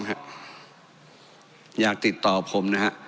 เพราะอยากติดต่อผมนะครับ